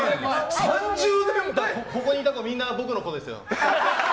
ここにいた子みんな、僕の子ですよ。